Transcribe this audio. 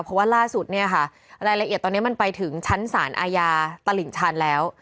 เพราะว่าล่าสุดเนี่ยค่ะรายละเอียดตอนนี้มันไปถึงชั้นศาลอาญาตลิ่งชันแล้ว